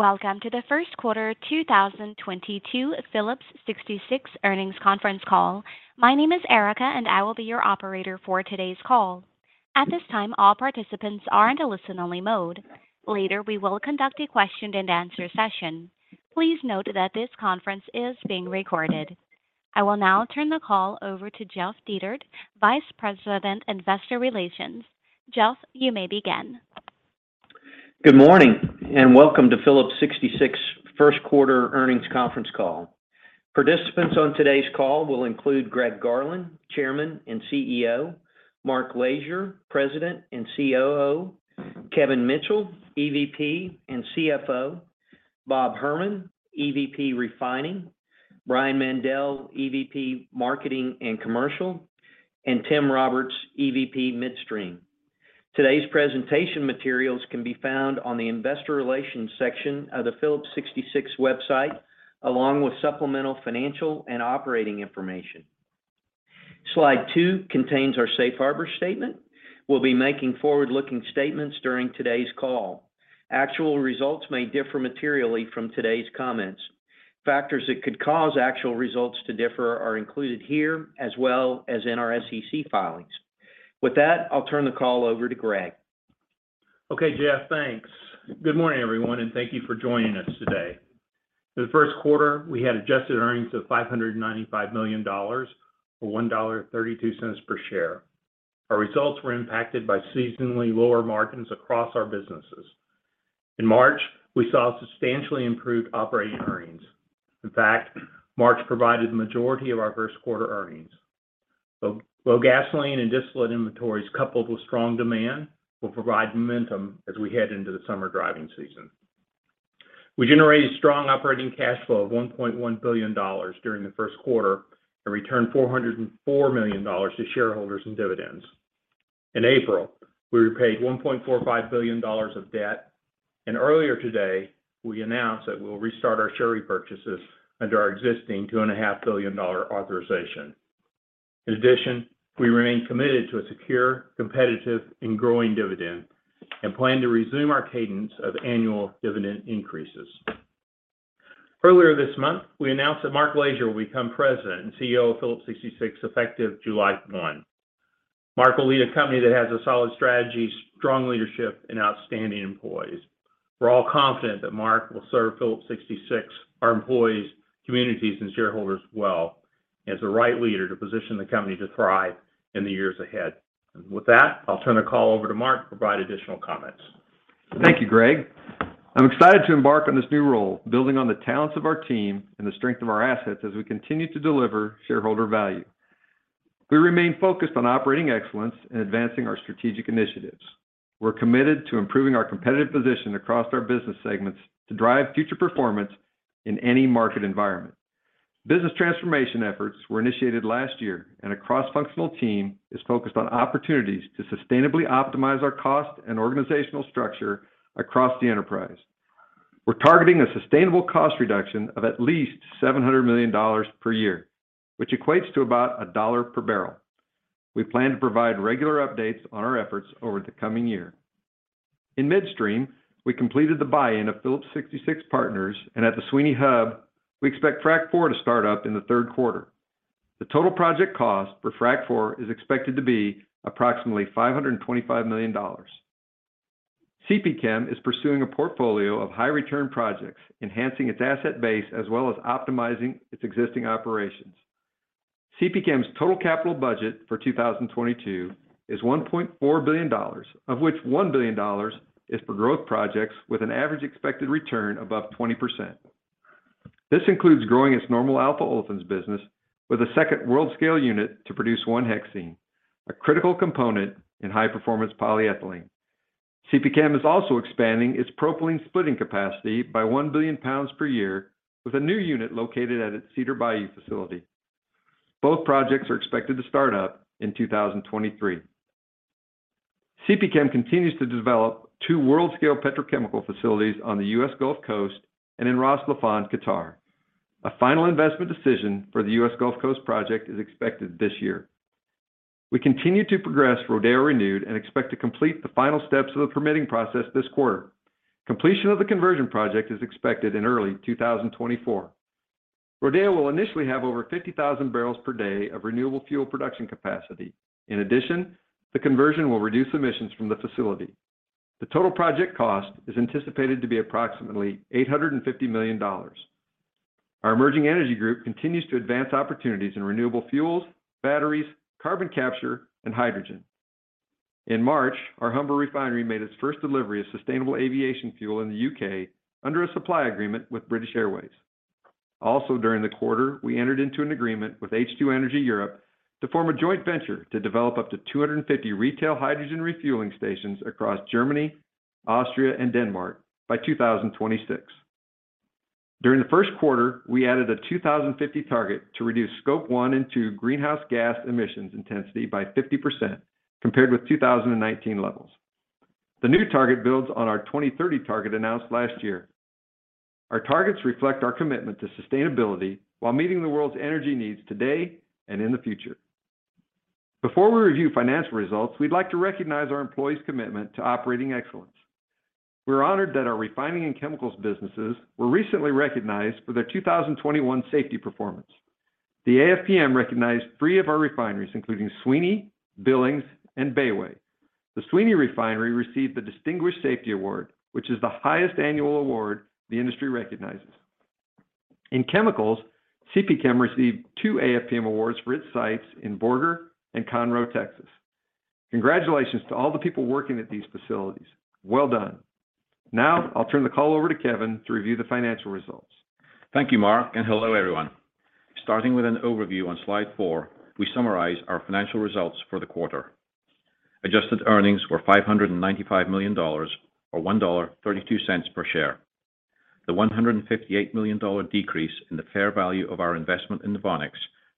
Welcome to the first quarter 2022 Phillips 66 earnings conference call. My name is Erica, and I will be your operator for today's call. At this time, all participants are in a listen only mode. Later, we will conduct a question and answer session. Please note that this conference is being recorded. I will now turn the call over to Jeff Dietert, Vice President, Investor Relations. Jeff, you may begin. Good morning, and welcome to Phillips 66 first quarter earnings conference call. Participants on today's call will include Greg Garland, Chairman and CEO, Mark Lashier, President and COO, Kevin Mitchell, EVP and CFO, Bob Herman, EVP Refining, Brian Mandell, EVP Marketing and Commercial, and Tim Roberts, EVP Midstream. Today's presentation materials can be found on the investor relations section of the Phillips 66 website, along with supplemental financial and operating information. Slide two contains our safe harbor statement. We'll be making forward-looking statements during today's call. Actual results may differ materially from today's comments. Factors that could cause actual results to differ are included here as well as in our SEC filings. With that, I'll turn the call over to Greg. Okay, Jeff, thanks..Good morning, everyone, and thank you for joining us today. For the first quarter, we had adjusted earnings of $595 million or $1.32 per share. Our results were impacted by seasonally lower margins across our businesses. In March, we saw substantially improved operating earnings. In fact, March provided the majority of our first quarter earnings. Low gasoline and distillate inventories coupled with strong demand will provide momentum as we head into the summer driving season. We generated strong operating cash flow of $1.1 billion during the first quarter and returned $404 million to shareholders in dividends. In April, we repaid $1.45 billion of debt, and earlier today we announced that we'll restart our share repurchases under our existing $2.5 billion authorization. In addition, we remain committed to a secure, competitive, and growing dividend and plan to resume our cadence of annual dividend increases. Earlier this month, we announced that Mark Lashier will become President and CEO of Phillips 66, effective July 1. Mark will lead a company that has a solid strategy, strong leadership, and outstanding employees. We're all confident that Mark will serve Phillips 66, our employees, communities, and shareholders well as the right leader to position the company to thrive in the years ahead. With that, I'll turn the call over to Mark to provide additional comments. Thank you, Greg. I'm excited to embark on this new role, building on the talents of our team and the strength of our assets as we continue to deliver shareholder value. We remain focused on operating excellence and advancing our strategic initiatives. We're committed to improving our competitive position across our business segments to drive future performance in any market environment. Business transformation efforts were initiated last year, and a cross-functional team is focused on opportunities to sustainably optimize our cost and organizational structure across the enterprise. We're targeting a sustainable cost reduction of at least $700 million per year, which equates to about $1 per barrel. We plan to provide regular updates on our efforts over the coming year. In midstream, we completed the buy-in of Phillips 66 Partners, and at the Sweeny Hub, we expect Frac 4 to start up in the third quarter. The total project cost for Frac 4 is expected to be approximately $525 million. CPChem is pursuing a portfolio of high return projects, enhancing its asset base as well as optimizing its existing operations. CPChem's total capital budget for 2022 is $1.4 billion, of which $1 billion is for growth projects with an average expected return above 20%. This includes growing its normal alpha olefins business with a second world-scale unit to produce 1-hexene, a critical component in high performance polyethylene. CPChem is also expanding its propylene splitting capacity by 1 billion pounds per year with a new unit located at its Cedar Bayou facility. Both projects are expected to start up in 2023. CPChem continues to develop two world-scale petrochemical facilities on the U.S. Gulf Coast and in Ras Laffan, Qatar. A final investment decision for the U.S. Gulf Coast project is expected this year. We continue to progress Rodeo Renewed and expect to complete the final steps of the permitting process this quarter. Completion of the conversion project is expected in early 2024. Rodeo will initially have over 50,000 barrels per day of renewable fuel production capacity. In addition, the conversion will reduce emissions from the facility. The total project cost is anticipated to be approximately $850 million. Our emerging energy group continues to advance opportunities in renewable fuels, batteries, carbon capture, and hydrogen. In March, our Humber Refinery made its first delivery of sustainable aviation fuel in the U.K. under a supply agreement with British Airways. Also during the quarter, we entered into an agreement with H2 Energy Europe to form a joint venture to develop up to 250 retail hydrogen refueling stations across Germany, Austria, and Denmark by 2026. During the first quarter, we added a 2050 target to reduce scope one and two greenhouse gas emissions intensity by 50% compared with 2019 levels. The new target builds on our 2030 target announced last year. Our targets reflect our commitment to sustainability while meeting the world's energy needs today and in the future. Before we review financial results, we'd like to recognize our employees' commitment to operating excellence. We're honored that our refining and chemicals businesses were recently recognized for their 2021 safety performance. The AFPM recognized three of our refineries, including Sweeny, Billings, and Bayway. The Sweeny Refinery received the Distinguished Safety Award, which is the highest annual award the industry recognizes. In chemicals, CPChem received two AFPM awards for its sites in Borger and Conroe, Texas. Congratulations to all the people working at these facilities. Well done. Now, I'll turn the call over to Kevin to review the financial results. Thank you, Mark, and hello, everyone. Starting with an overview on slide four, we summarize our financial results for the quarter. Adjusted earnings were $595 million or $1.32 per share. The $158 million decrease in the fair value of our investment in NOVONIX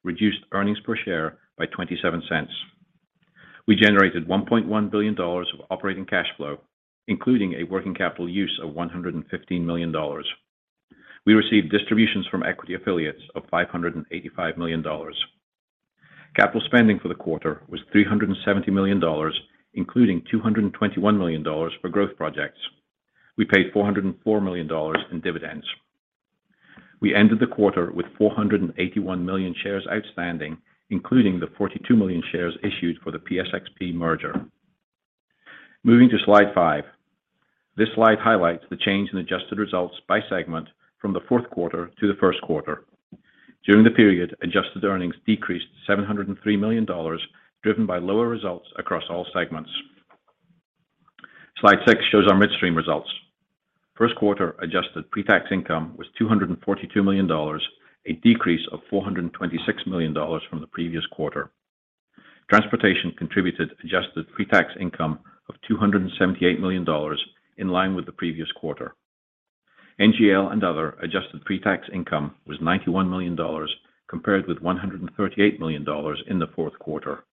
reduced earnings per share by $0.27. We generated $1.1 billion of operating cash flow, including a working capital use of $115 million. We received distributions from equity affiliates of $585 million. Capital spending for the quarter was $370 million, including $221 million for growth projects. We paid $404 million in dividends. We ended the quarter with 481 million shares outstanding, including the 42 million shares issued for the PSXP merger. Moving to slide five. This slide highlights the change in adjusted results by segment from the fourth quarter to the first quarter. During the period, adjusted earnings decreased $703 million, driven by lower results across all segments. Slide six shows our Midstream results. First quarter adjusted pre-tax income was $242 million, a decrease of $426 million from the previous quarter. Transportation contributed adjusted pre-tax income of $278 million in line with the previous quarter. NGL and other adjusted pre-tax income was $91 million, compared with $138 million in the fourth quarter.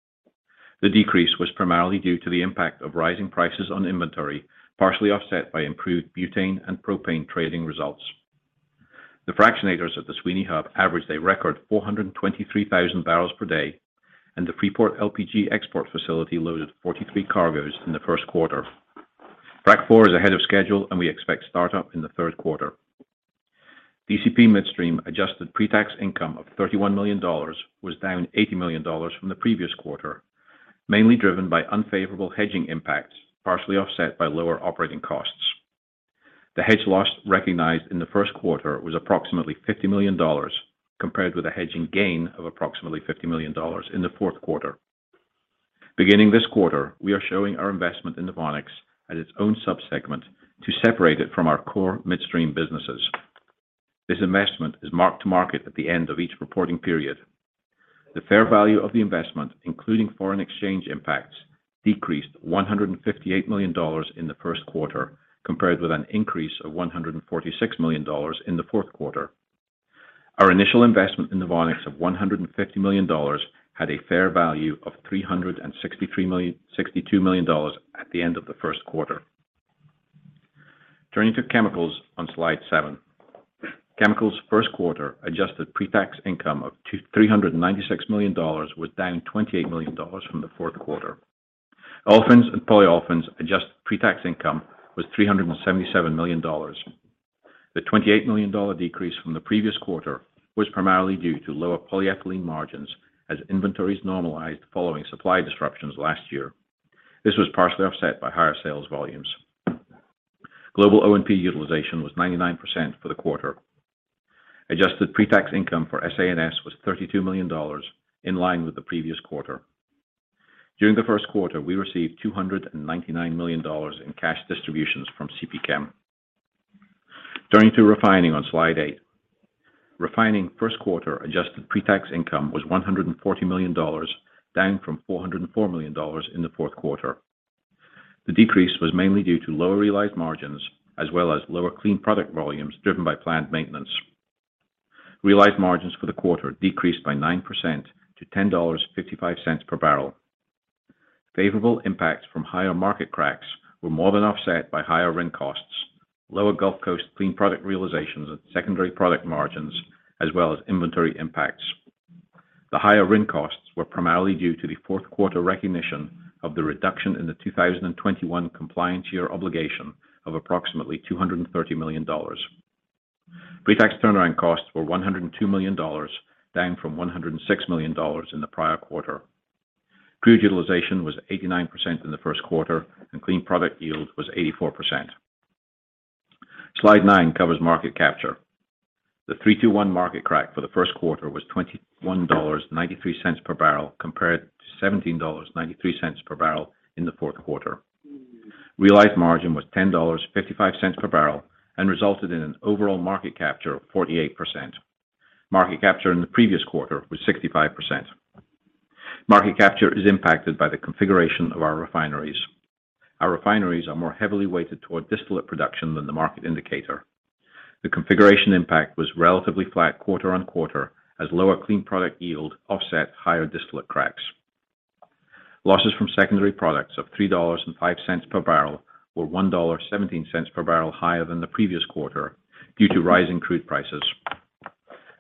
The decrease was primarily due to the impact of rising prices on inventory, partially offset by improved butane and propane trading results. The fractionators at the Sweeny Hub averaged a record 423,000 barrels per day, and the Freeport LPG export facility loaded 43 cargos in the first quarter. Frac 4 is ahead of schedule, and we expect startup in the third quarter. DCP Midstream adjusted pre-tax income of $31 million was down $80 million from the previous quarter, mainly driven by unfavorable hedging impacts, partially offset by lower operating costs. The hedge loss recognized in the first quarter was approximately $50 million, compared with a hedging gain of approximately $50 million in the fourth quarter. Beginning this quarter, we are showing our investment in NOVONIX as its own sub-segment to separate it from our core midstream businesses. This investment is marked to market at the end of each reporting period. The fair value of the investment, including foreign exchange impacts, decreased $158 million in the first quarter, compared with an increase of $146 million in the fourth quarter. Our initial investment in NOVONIX of $150 million had a fair value of $362 million at the end of the first quarter. Turning to chemicals on slide seven. Chemicals' first quarter adjusted pre-tax income of $396 million was down $28 million from the fourth quarter. Olefins and polyolefins adjusted pre-tax income was $377 million. The $28 million decrease from the previous quarter was primarily due to lower polyethylene margins as inventories normalized following supply disruptions last year. This was partially offset by higher sales volumes. Global O&P utilization was 99% for the quarter. Adjusted pre-tax income for SA&S was $32 million in line with the previous quarter. During the first quarter, we received $299 million in cash distributions from CPChem. Turning to refining on slide eight. Refining first quarter adjusted pre-tax income was $140 million, down from $404 million in the fourth quarter. The decrease was mainly due to lower realized margins as well as lower clean product volumes driven by plant maintenance. Realized margins for the quarter decreased by 9% to $10.55 per barrel. Favorable impacts from higher market cracks were more than offset by higher RIN costs, lower Gulf Coast clean product realizations and secondary product margins, as well as inventory impacts. The higher RIN costs were primarily due to the fourth quarter recognition of the reduction in the 2021 compliance year obligation of approximately $230 million. Pre-tax turnaround costs were $102 million, down from $106 million in the prior quarter. Crew utilization was 89% in the first quarter, and clean product yield was 84%. Slide nine covers market capture. The three-two-one-market crack for the first quarter was $21.93 per barrel compared to $17.93 per barrel in the fourth quarter. Realized margin was $10.55 per barrel and resulted in an overall market capture of 48%. Market capture in the previous quarter was 65%. Market capture is impacted by the configuration of our refineries. Our refineries are more heavily weighted toward distillate production than the market indicator. The configuration impact was relatively flat quarter-over-quarter as lower clean product yield offset higher distillate cracks. Losses from secondary products of $3.05 per barrel were $1.17 per barrel higher than the previous quarter due to rising crude prices.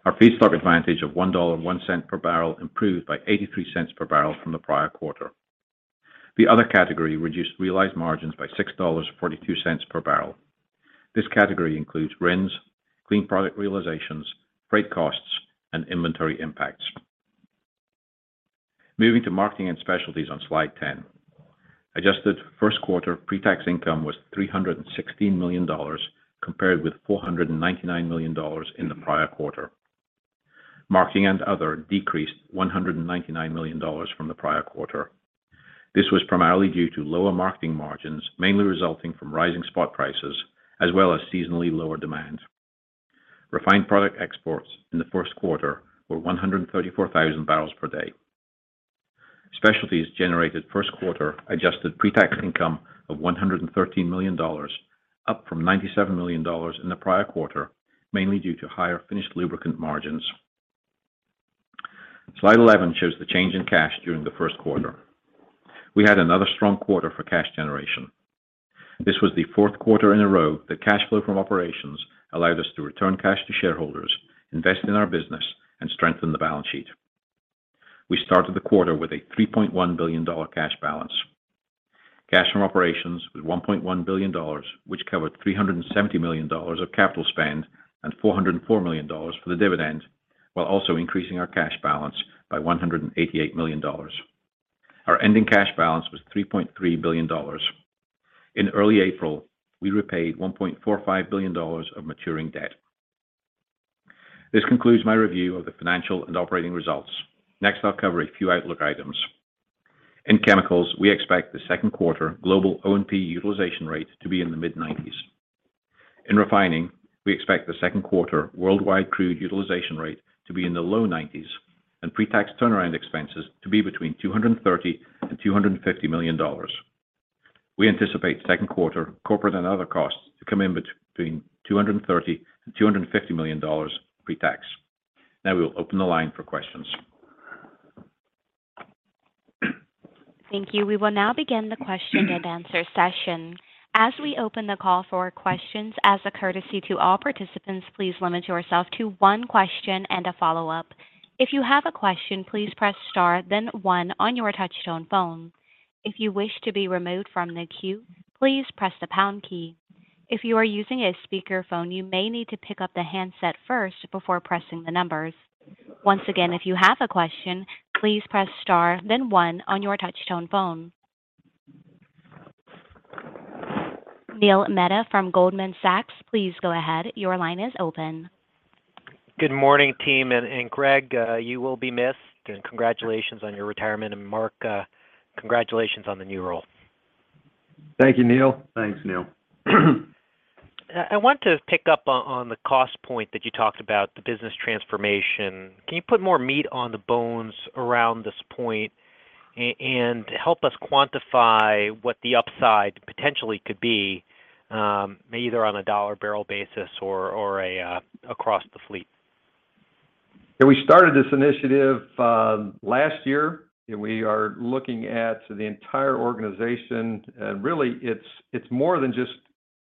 Our feedstock advantage of $1.01 per barrel improved by $0.83 per barrel from the prior quarter. The other category reduced realized margins by $6.42 per barrel. This category includes RINs, clean product realizations, freight costs, and inventory impacts. Moving to marketing and specialties on slide 10. Adjusted first quarter pre-tax income was $316 million compared with $499 million in the prior quarter. Marketing and other decreased $199 million from the prior quarter. This was primarily due to lower marketing margins, mainly resulting from rising spot prices as well as seasonally lower demand. Refined product exports in the first quarter were 134,000 barrels per day. Specialties generated first quarter adjusted pre-tax income of $113 million, up from $97 million in the prior quarter, mainly due to higher finished lubricant margins. Slide 11 shows the change in cash during the first quarter. We had another strong quarter for cash generation. This was the fourth quarter in a row that cash flow from operations allowed us to return cash to shareholders, invest in our business, and strengthen the balance sheet. We started the quarter with a $3.1 billion cash balance. Cash from operations was $1.1 billion, which covered $370 million of capital spend and $404 million for the dividend while also increasing our cash balance by $188 million. Our ending cash balance was $3.3 billion. In early April, we repaid $1.45 billion of maturing debt. This concludes my review of the financial and operating results. Next, I'll cover a few outlook items. In chemicals, we expect the second quarter global O&P utilization rate to be in the mid-90s. In refining, we expect the second quarter worldwide crude utilization rate to be in the low 90s and pre-tax turnaround expenses to be between $230 million and $250 million. We anticipate second quarter corporate and other costs to come in between $230 million and $250 million pre-tax. Now we'll open the line for questions. Thank you. We will now begin the question and answer session. As we open the call for questions as a courtesy to all participants, please limit yourself to one question and a follow-up. If you have a question, please press star then one on your touch tone phone. If you wish to be removed from the queue, please press the pound key. If you are using a speaker phone, you may need to pick up the handset first before pressing the numbers. Once again, if you have a question, please press star then one on your touch tone phone. Neil Mehta from Goldman Sachs, please go ahead. Your line is open. Good morning, team. Greg, you will be missed, and congratulations on your retirement. Mark, congratulations on the new role. Thank you, Neil. Thanks, Neil. I want to pick up on the cost point that you talked about, the business transformation. Can you put more meat on the bones around this point and help us quantify what the upside potentially could be, either on a dollar barrel basis or across the fleet? Yeah, we started this initiative last year. We are looking at the entire organization. Really, it's more than just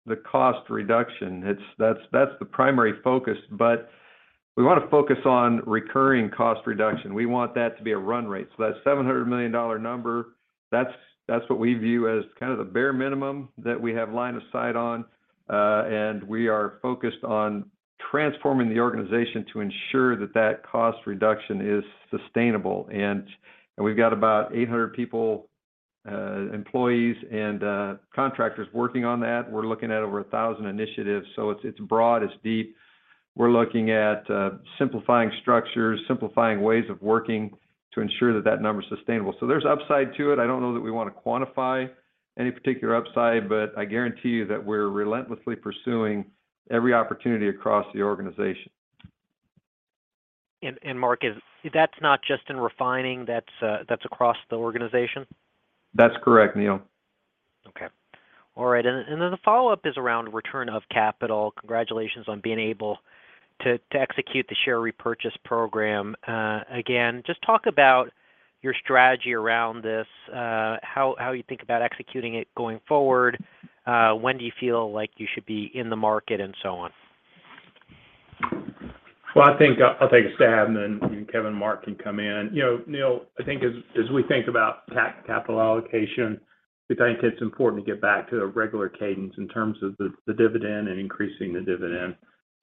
the cost reduction. That's the primary focus, but we wanna focus on recurring cost reduction. We want that to be a run rate. That $700 million number, that's what we view as kind of the bare minimum that we have line of sight on. We are focused on transforming the organization to ensure that that cost reduction is sustainable. We've got about 800 people, employees and contractors working on that. We're looking at over 1,000 initiatives, so it's broad, it's deep. We're looking at simplifying structures, simplifying ways of working to ensure that that number is sustainable. There's upside to it. I don't know that we wanna quantify any particular upside, but I guarantee you that we're relentlessly pursuing every opportunity across the organization. Mark, is that’s not just in refining, that’s across the organization? That's correct, Neil. Okay. All right. The follow-up is around return of capital. Congratulations on being able to execute the share repurchase program. Again, just talk about your strategy around this, how you think about executing it going forward, when do you feel like you should be in the market, and so on. Well, I think, I'll take a stab and then Kevin and Mark can come in. You know, Neil, I think as we think about capital allocation, we think it's important to get back to a regular cadence in terms of the dividend and increasing the dividend.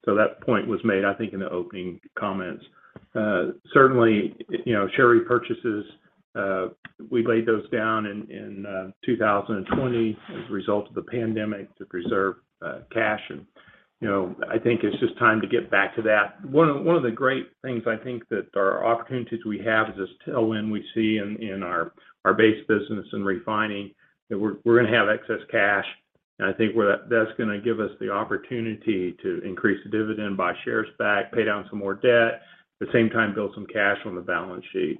That point was made, I think, in the opening comments. Certainly, you know, share repurchases, we laid those down in 2020 as a result of the pandemic to preserve cash. You know, I think it's just time to get back to that. One of the great things I think that are opportunities we have is this tailwind we see in our base business and refining, that we're gonna have excess cash. I think that's gonna give us the opportunity to increase the dividend, buy shares back, pay down some more debt, at the same time, build some cash on the balance sheet.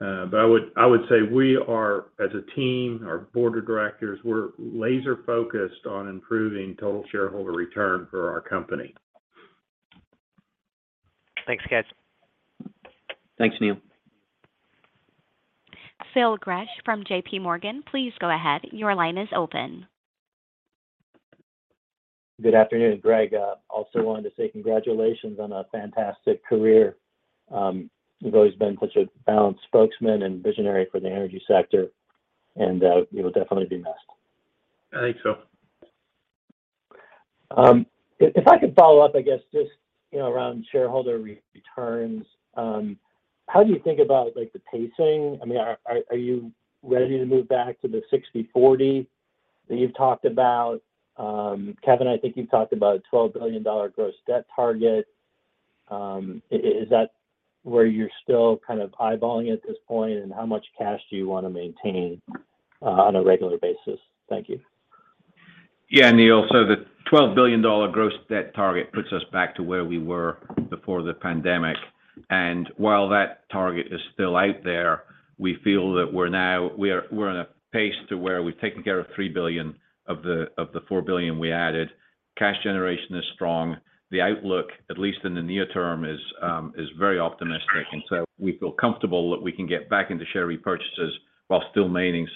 I would say we are as a team, our board of directors, we're laser focused on improving total shareholder return for our company. Thanks, guys. Thanks, Neil. Phil Gresh from JP Morgan, please go ahead. Your line is open. Good afternoon, Greg. Also wanted to say congratulations on a fantastic career. You've always been such a balanced spokesman and visionary for the energy sector, and you will definitely be missed. I think so. If I could follow up, I guess, just, you know, around shareholder returns. How do you think about like the pacing? I mean, are you ready to move back to the 60/40 that you've talked about? Kevin, I think you've talked about a $12 billion gross debt target. Is that where you're still kind of eyeballing at this point? And how much cash do you wanna maintain on a regular basis? Thank you. Yeah. Neil, the $12 billion gross debt target puts us back to where we were before the pandemic. While that target is still out there, we feel that we're now in a place to where we've taken care of $3 billion of the $4 billion we added. Cash generation is strong. The outlook, at least in the near term, is very optimistic. We feel comfortable that we can get back into share repurchases while still maintaining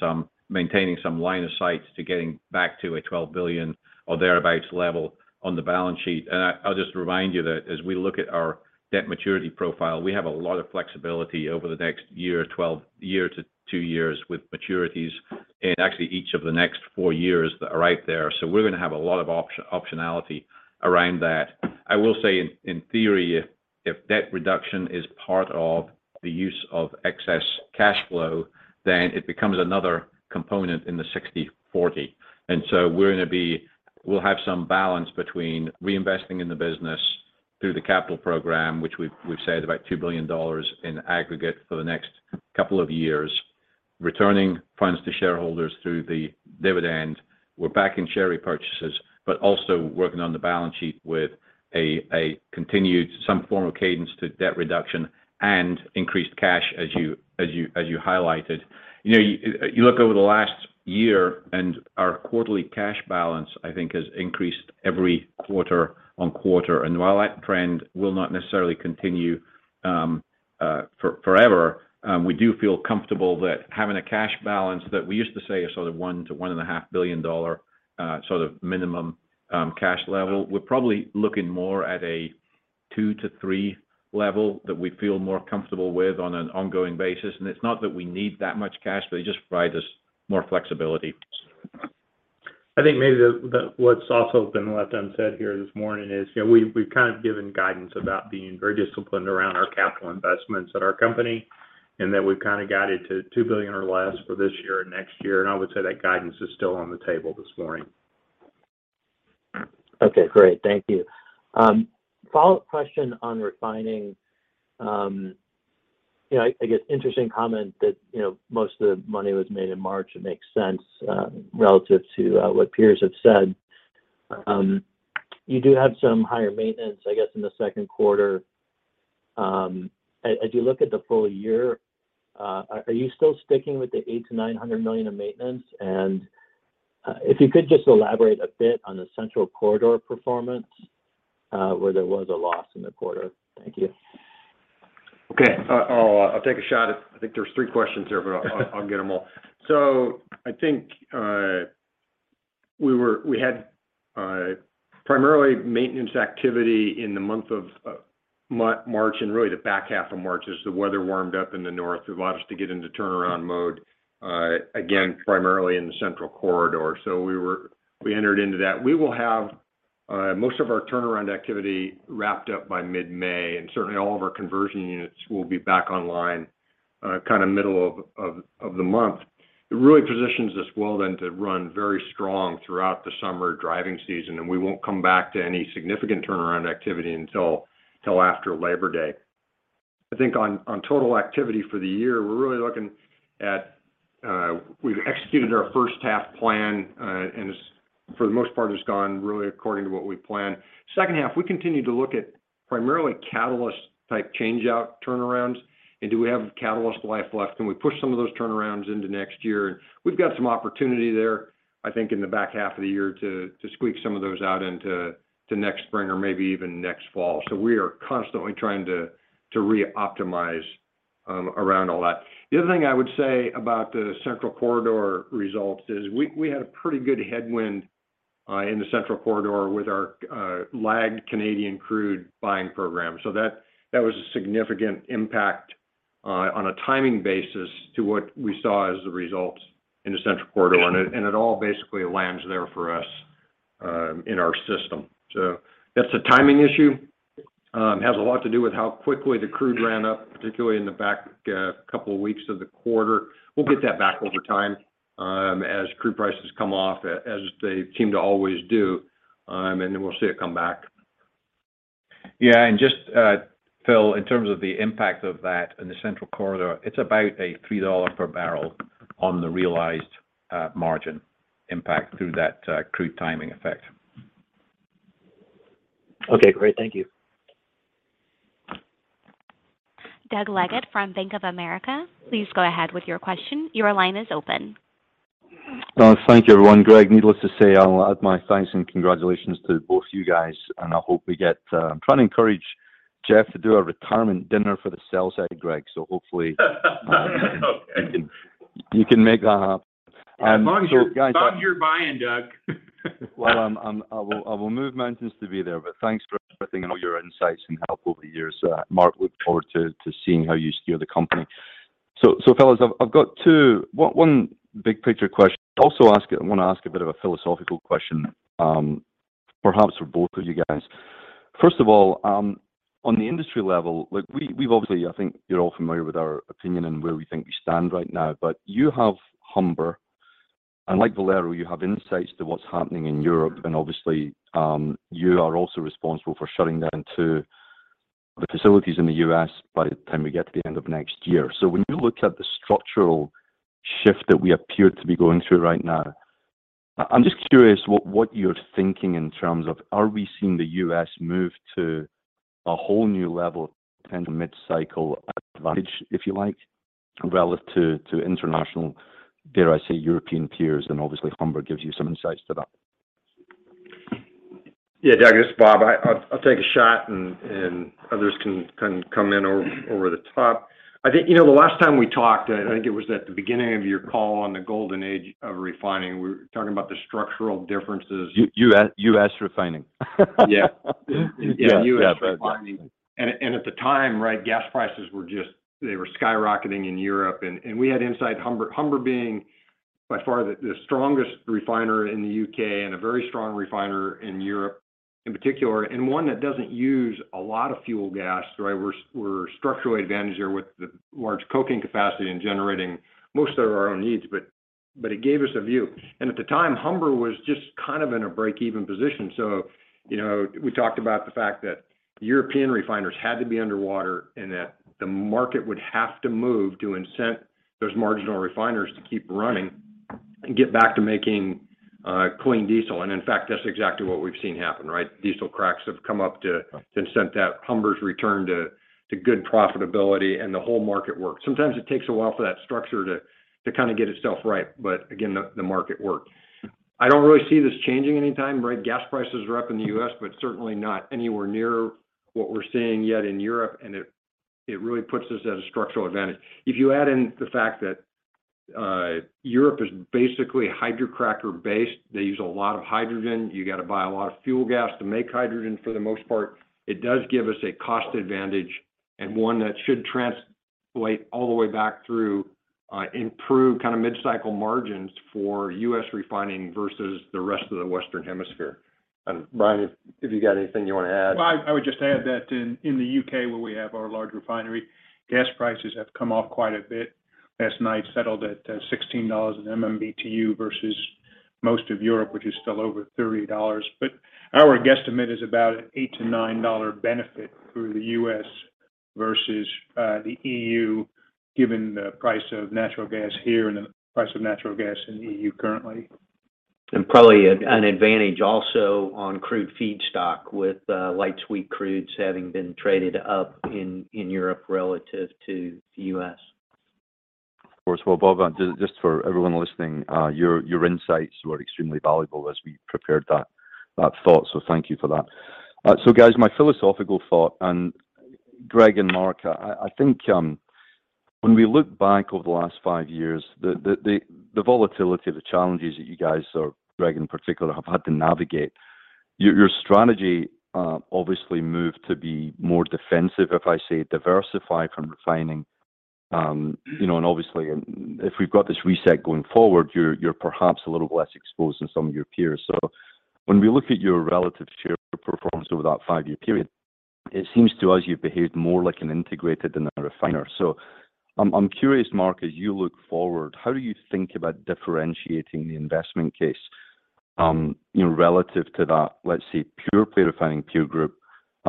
some line of sight to getting back to a $12 billion or thereabouts level on the balance sheet. I'll just remind you that as we look at our debt maturity profile, we have a lot of flexibility over the next year or 12 year to two years with maturities in actually each of the next four years that are out there. We're gonna have a lot of optionality around that. I will say in theory, if debt reduction is part of the use of excess cash flow, then it becomes another component in the 60/40. We'll have some balance between reinvesting in the business through the capital program, which we've said about $2 billion in aggregate for the next couple of years, returning funds to shareholders through the dividend. We're back in share repurchases, but also working on the balance sheet with a continued some form of cadence to debt reduction and increased cash as you highlighted. You know, you look over the last year and our quarterly cash balance, I think has increased every quarter-over-quarter. While that trend will not necessarily continue forever, we do feel comfortable that having a cash balance that we used to say a sort of $1-1.5 billion sort of minimum cash level. We're probably looking more at a $2-$3 level that we feel more comfortable with on an ongoing basis. It's not that we need that much cash, but it just provides us more flexibility. I think maybe what's also been left unsaid here this morning is, you know, we've kind of given guidance about being very disciplined around our capital investments at our company, and that we've kind of guided to $2 billion or less for this year and next year. I would say that guidance is still on the table this morning. Okay. Great. Thank you. Follow-up question on refining. You know, I guess interesting comment that, you know, most of the money was made in March. It makes sense relative to what peers have said. You do have some higher maintenance, I guess, in the second quarter. As you look at the full year, are you still sticking with the $800-900 million of maintenance? And if you could just elaborate a bit on the Central Corridor performance, where there was a loss in the quarter. Thank you. I'll take a shot at it. I think there's three questions there, but I'll get them all. I think we had primarily maintenance activity in the month of March, and really the back half of March as the weather warmed up in the north. It allowed us to get into turnaround mode again, primarily in the Central Corridor. We entered into that. We will have most of our turnaround activity wrapped up by mid-May, and certainly all of our conversion units will be back online, kinda middle of the month. It really positions us well then to run very strong throughout the summer driving season, and we won't come back to any significant turnaround activity until after Labor Day. I think on total activity for the year, we're really looking at we've executed our first half plan, and it's for the most part, it's gone really according to what we planned. Second half, we continue to look at primarily catalyst type change out turnarounds, and do we have catalyst life left? Can we push some of those turnarounds into next year? We've got some opportunity there, I think in the back half of the year to squeak some of those out into next spring or maybe even next fall. We are constantly trying to reoptimize around all that. The other thing I would say about the Central Corridor results is we had a pretty good headwind in the Central Corridor with our lagged Canadian crude buying program. That was a significant impact on a timing basis to what we saw as the results in the Central Corridor. It all basically lands there for us in our system. That's a timing issue. Has a lot to do with how quickly the crude ran up, particularly in the back couple of weeks of the quarter. We'll get that back over time as crude prices come off as they seem to always do, and then we'll see it come back. Just, Phil Gresh, in terms of the impact of that in the Central Corridor, it's about $3 per barrel on the realized margin impact through that crude timing effect. Okay. Great. Thank you. Doug Leggate from Bank of America, please go ahead with your question. Your line is open. Oh, thank you everyone. Greg, needless to say, I'll add my thanks and congratulations to both you guys, and I hope we get. I'm trying to encourage Jeff to do a retirement dinner for the sales side, Greg. Hopefully you can make that happen. Guys- As long as you're buying, Doug. Well, I will move mountains to be there. Thanks for everything and all your insights and help over the years. Mark, look forward to seeing how you steer the company. Fellas, I've got one big picture question. I wanna ask a bit of a philosophical question, perhaps for both of you guys. First of all, on the industry level, look, we've obviously I think you're all familiar with our opinion and where we think we stand right now. You have Humber, and like Valero, you have insights to what's happening in Europe, and obviously, you are also responsible for shutting down two of the facilities in the U.S. by the time we get to the end of next year. When you look at the structural shift that we appear to be going through right now, I'm just curious what you're thinking in terms of are we seeing the U.S. move to a whole new level of mid-cycle advantage, if you like, relative to international, dare I say, European peers? Obviously, Humber gives you some insights to that. Yeah, Doug, this is Bob. I'll take a shot and others can come in over the top. I think, you know, the last time we talked, I think it was at the beginning of your call on the golden age of refining. We were talking about the structural differences. U.S. refining. Yeah. Yeah. U.S. refining. At the time, right, gas prices were just skyrocketing in Europe. We had insight. Humber being by far the strongest refiner in the U.K. and a very strong refiner in Europe in particular, and one that doesn't use a lot of fuel gas. Right? We're structurally advantaged there with the large coking capacity and generating most of our own needs. It gave us a view. At the time, Humber was just kind of in a break-even position. You know, we talked about the fact that European refiners had to be underwater, and that the market would have to move to incent those marginal refiners to keep running and get back to making clean diesel. In fact, that's exactly what we've seen happen, right? Diesel cracks have come up to incent that. Humber's returned to good profitability, and the whole market worked. Sometimes it takes a while for that structure to kind of get itself right. Again, the market worked. I don't really see this changing anytime. Right? Gas prices are up in the U.S., but certainly not anywhere near what we're seeing yet in Europe. It really puts us at a structural advantage. If you add in the fact that Europe is basically hydrocracker based, they use a lot of hydrogen. You got to buy a lot of fuel gas to make hydrogen, for the most part. It does give us a cost advantage and one that should translate all the way back through improved kind of mid-cycle margins for U.S. refining versus the rest of the Western Hemisphere. Brian, if you got anything you want to add. I would just add that in the UK where we have our large refinery, gas prices have come off quite a bit. Last night settled at $16 in MMBTU versus most of Europe, which is still over $30. Our guesstimate is about an $8-$9 benefit for the US versus the EU, given the price of natural gas here and the price of natural gas in the EU currently. Probably an advantage also on crude feedstock with light sweet crudes having been traded up in Europe relative to the U.S. Of course. Well, Bob, just for everyone listening, your insights were extremely valuable as we prepared that thought. So thank you for that. Guys, my philosophical thought, and Greg and Mark, I think, when we look back over the last five years, the volatility of the challenges that you guys, or Greg in particular, have had to navigate, your strategy obviously moved to be more defensive, if I say diversify from refining. You know, and obviously if we've got this reset going forward, you're perhaps a little less exposed than some of your peers. When we look at your relative share performance over that five-year period, it seems to us you've behaved more like an integrated than a refiner. I'm curious, Mark, as you look forward, how do you think about differentiating the investment case, you know, relative to that, let's say, pure play refining peer group,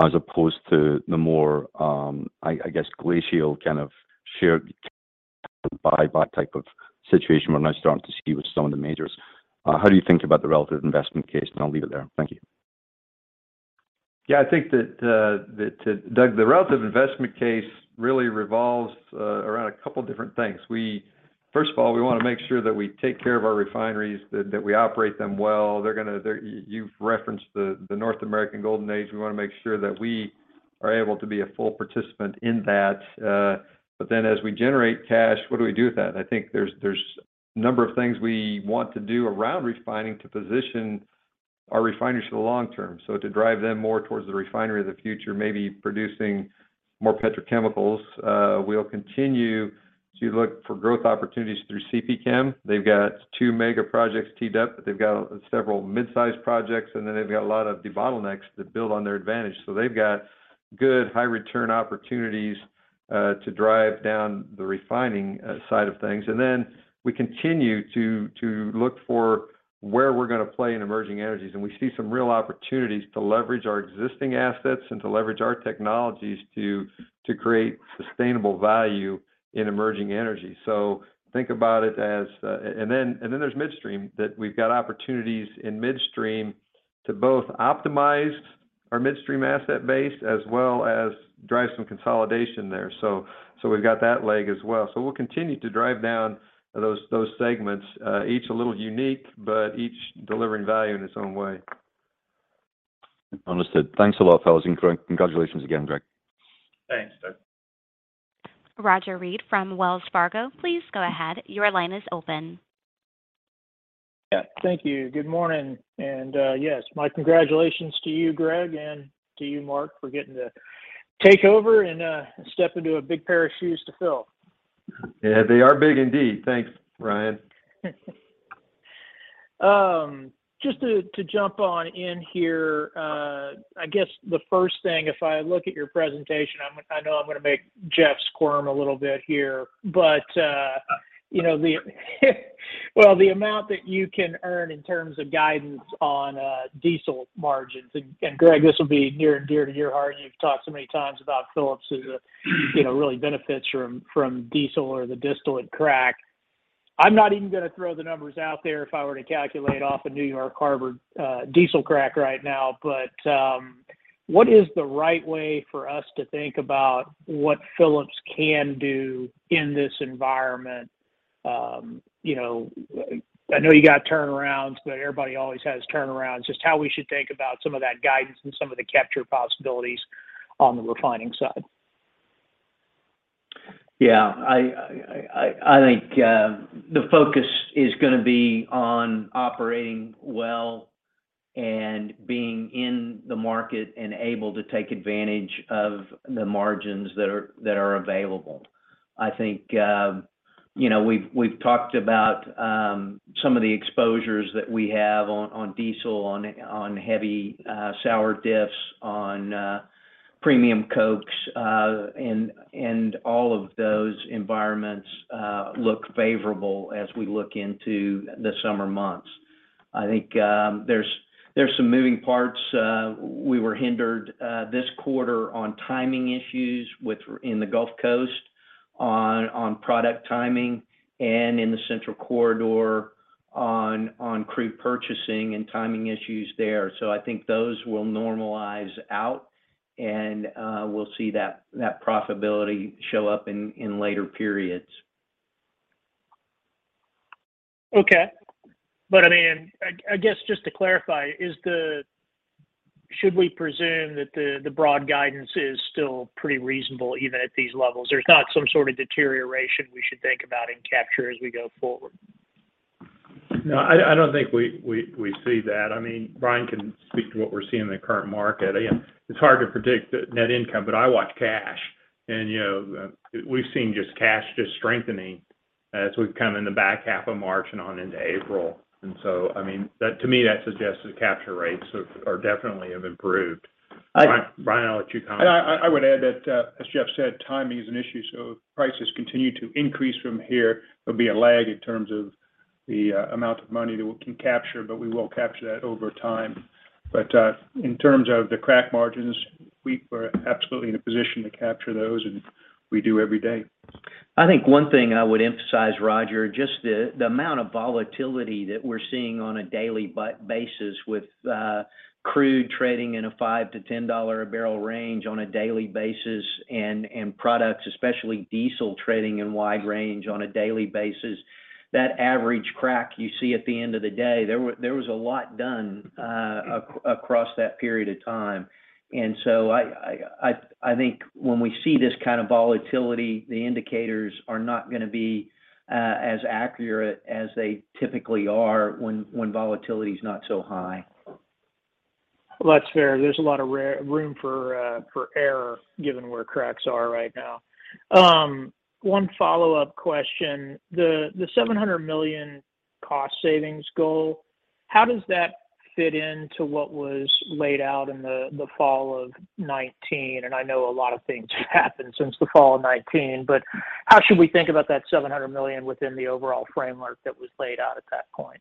as opposed to the more, I guess, glacial kind of share buyback type of situation we're now starting to see with some of the majors? How do you think about the relative investment case? I'll leave it there. Thank you. Yeah, I think Doug, the relative investment case really revolves around a couple different things. First of all, we wanna make sure that we take care of our refineries, that we operate them well. You've referenced the North American golden age. We wanna make sure that we are able to be a full participant in that. Then as we generate cash, what do we do with that? I think there's a number of things we want to do around refining to position our refineries for the long term. To drive them more towards the refinery of the future, maybe producing more petrochemicals. We'll continue to look for growth opportunities through CPChem. They've got two mega projects teed up. They've got several mid-sized projects, and then they've got a lot of debottlenecks to build on their advantage. They've got good high-return opportunities to drive down the refining side of things. We continue to look for where we're gonna play in emerging energies, and we see some real opportunities to leverage our existing assets and to leverage our technologies to create sustainable value in emerging energy. Think about it as. There's midstream that we've got opportunities in midstream. To both optimize our midstream asset base as well as drive some consolidation there. We've got that leg as well. We'll continue to drive down those segments, each a little unique, but each delivering value in its own way. Understood. Thanks a lot, fellas. Congratulations again, Greg. Thanks, Doug. Roger Read from Wells Fargo, please go ahead. Your line is open. Yeah. Thank you. Good morning. Yes, my congratulations to you, Greg, and to you, Mark, for getting to take over and step into a big pair of shoes to fill. Yeah, they are big indeed. Thanks, Ryan. Just to jump in here, I guess the first thing, if I look at your presentation, I know I'm gonna make Jeff squirm a little bit here. You know, the amount that you can earn in terms of guidance on diesel margins. And Greg, this will be near and dear to your heart, and you've talked so many times about Phillips as a, you know, really benefits from diesel or the distillate crack. I'm not even gonna throw the numbers out there if I were to calculate off a New York Harbor diesel crack right now. What is the right way for us to think about what Phillips can do in this environment? You know, I know you got turnarounds, but everybody always has turnarounds. Just how we should think about some of that guidance and some of the capture possibilities on the refining side. I think the focus is gonna be on operating well and being in the market and able to take advantage of the margins that are available. I think we've talked about some of the exposures that we have on diesel, on heavy sour diffs, on premium cokes, and all of those environments look favorable as we look into the summer months. I think there's some moving parts. We were hindered this quarter on timing issues in the Gulf Coast on product timing and in the central corridor on crude purchasing and timing issues there. I think those will normalize out, and we'll see that profitability show up in later periods. Okay. I mean, I guess just to clarify, should we presume that the broad guidance is still pretty reasonable even at these levels? There's not some sort of deterioration we should think about in capture as we go forward. No, I don't think we see that. I mean, Brian can speak to what we're seeing in the current market. Again, it's hard to predict the net income, but I watch cash. You know, we've seen just cash strengthening as we've come in the back half of March and on into April. I mean, that to me, that suggests the capture rates have definitely improved. Brian, I'll let you comment. I would add that, as Jeff said, timing is an issue, so if prices continue to increase from here, there'll be a lag in terms of the amount of money that we can capture, but we will capture that over time. In terms of the crack margins, we are absolutely in a position to capture those, and we do every day. I think one thing I would emphasize, Roger, just the amount of volatility that we're seeing on a daily basis with crude trading in a $5-$10 a barrel range on a daily basis and products, especially diesel trading in wide range on a daily basis. That average crack you see at the end of the day, there was a lot done across that period of time. I think when we see this kind of volatility, the indicators are not gonna be as accurate as they typically are when volatility is not so high. Well, that's fair. There's a lot of room for error given where cracks are right now. One follow-up question. The $700 million cost savings goal, how does that fit into what was laid out in the fall of 2019? I know a lot of things have happened since the fall of 2019, but how should we think about that $700 million within the overall framework that was laid out at that point?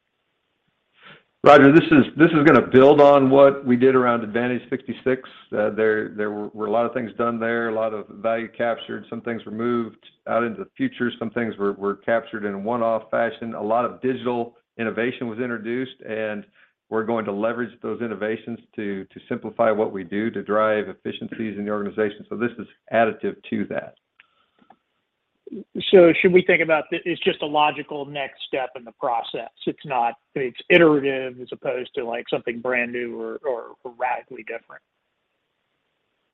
Roger, this is gonna build on what we did around Advantage 66. There were a lot of things done there, a lot of value captured. Some things were moved out into the future, some things were captured in a one-off fashion. A lot of digital innovation was introduced, and we're going to leverage those innovations to simplify what we do to drive efficiencies in the organization. This is additive to that. Should we think about it's just a logical next step in the process? It's iterative as opposed to, like, something brand new or radically different.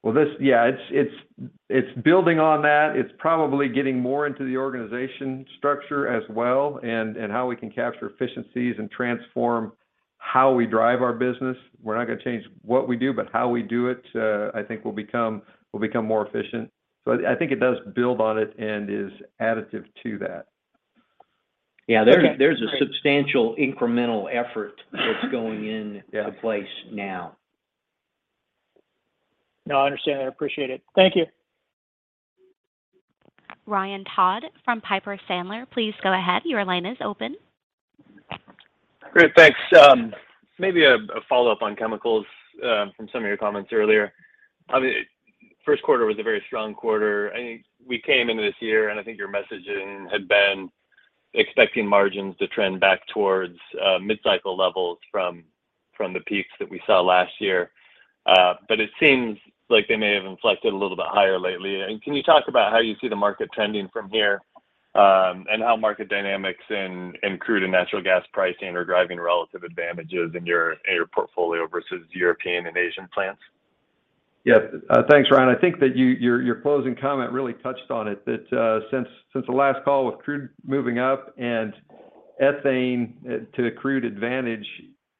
Well, yeah, it's building on that. It's probably getting more into the organization structure as well and how we can capture efficiencies and transform how we drive our business. We're not gonna change what we do, but how we do it, I think will become more efficient. I think it does build on it and is additive to that. Okay. Great. Yeah. There's a substantial incremental effort that's going in. Yeah into place now. No, I understand that. I appreciate it. Thank you. Ryan Todd from Piper Sandler, please go ahead. Your line is open. Great. Thanks. Maybe a follow-up on chemicals from some of your comments earlier. First quarter was a very strong quarter. I think we came into this year, and I think your messaging had been expecting margins to trend back towards mid-cycle levels from the peaks that we saw last year. It seems like they may have inflected a little bit higher lately. Can you talk about how you see the market tending from here, and how market dynamics and crude and natural gas pricing are driving relative advantages in your portfolio versus European and Asian plants? Yes. Thanks, Ryan. I think that your closing comment really touched on it, that since the last call with crude moving up and ethane to the crude advantage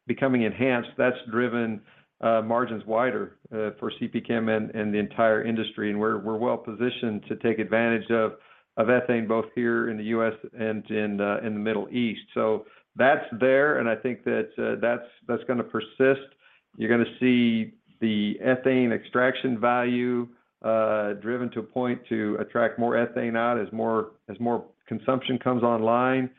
becoming enhanced, that's driven margins wider for CPChem and the entire industry. We're well positioned to take advantage of ethane both here in the U.S. and in the Middle East. That's there, and I think that that's gonna persist. You're gonna see the ethane extraction value driven to a point to attract more ethane out as more consumption comes online.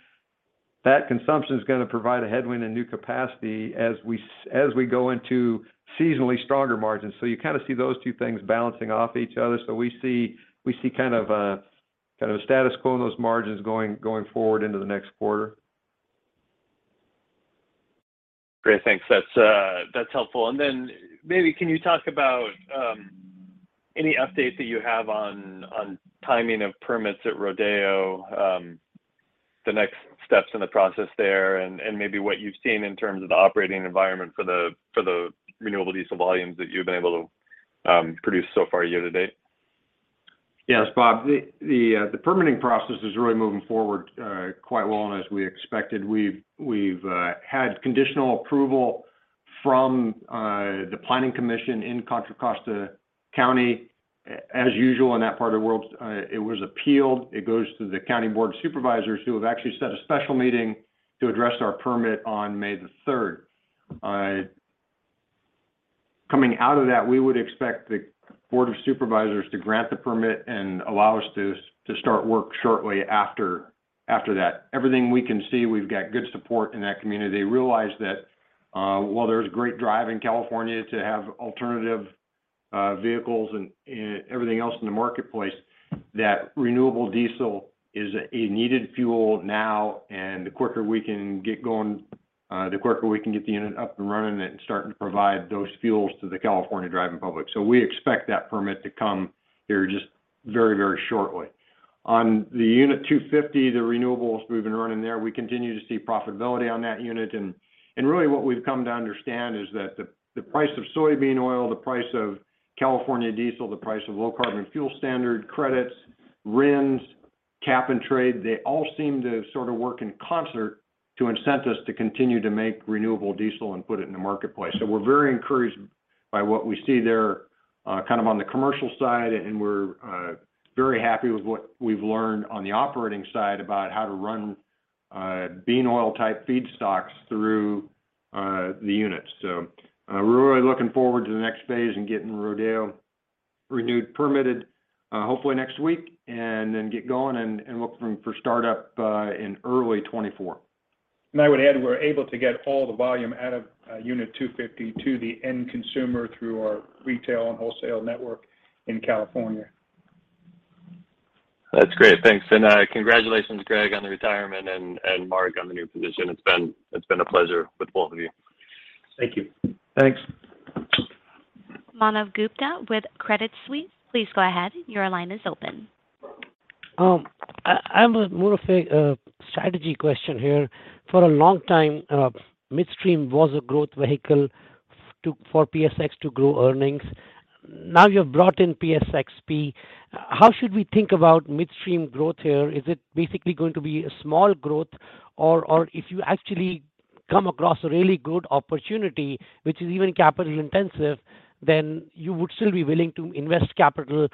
That consumption's gonna provide a headwind and new capacity as we go into seasonally stronger margins. You kinda see those two things balancing off each other. We see kind of a status quo in those margins going forward into the next quarter. Great. Thanks. That's helpful. Then maybe can you talk about any updates that you have on timing of permits at Rodeo, the next steps in the process there, and maybe what you've seen in terms of the operating environment for the renewable diesel volumes that you've been able to produce so far year to date? Yes, Bob. The permitting process is really moving forward quite well, and as we expected. We've had conditional approval from the planning commission in Contra Costa County. As usual in that part of the world, it was appealed. It goes to the county board supervisors who have actually set a special meeting to address our permit on May the third. Coming out of that, we would expect the board of supervisors to grant the permit and allow us to start work shortly after that. Everything we can see, we've got good support in that community. They realize that, while there's great drive in California to have alternative vehicles and everything else in the marketplace, that renewable diesel is a needed fuel now, and the quicker we can get going, the quicker we can get the unit up and running and starting to provide those fuels to the California driving public. We expect that permit to come here just very, very shortly. On the Unit 250, the renewables we've been running there, we continue to see profitability on that unit. And really what we've come to understand is that the price of soybean oil, the price of California diesel, the price of Low Carbon Fuel Standard credits, RINs, cap and trade, they all seem to sort of work in concert to incentivize us to continue to make renewable diesel and put it in the marketplace. We're very encouraged by what we see there, kind of on the commercial side, and we're very happy with what we've learned on the operating side about how to run bean oil type feedstocks through the units. We're really looking forward to the next phase and getting Rodeo Renewed permitted, hopefully next week, and then get going and look for startup in early 2024. I would add, we're able to get all the volume out of Unit 250 to the end consumer through our retail and wholesale network in California. That's great. Thanks. Congratulations, Greg, on the retirement and Mark on the new position. It's been a pleasure with both of you. Thank you. Thanks. Manav Gupta with Credit Suisse, please go ahead. Your line is open. I have more of a strategy question here. For a long time, midstream was a growth vehicle for PSX to grow earnings. Now you have brought in PSXP. How should we think about midstream growth here? Is it basically going to be a small growth? Or if you actually come across a really good opportunity, which is even capital intensive, then you would still be willing to invest capital